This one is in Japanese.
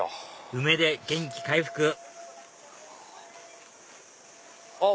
梅で元気回復あっ